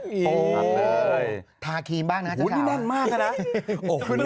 ทำเรื่อยถาครีมบ้างนะเช้าดูแน่นมากม๊ะนะ